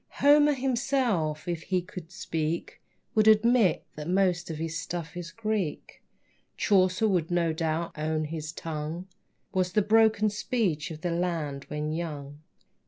Homer himself, if he could but speak, Would admit that most of his stuff is Greek. Chaucer would no doubt own his tongue Was the broken speech of the land when young.